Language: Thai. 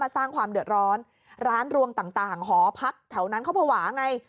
สร้างความเดือดร้อนร้านรวงต่างหอพักแถวนั้นเขาภาวะไง